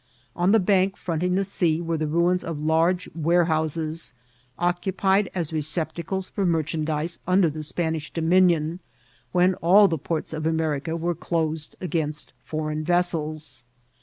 On the bank fronting the sea were the ruins of large warehouses, occupied as receptacles for merchan dise under the Spanish dominion, when all the ports of America were closed against foreign vessels.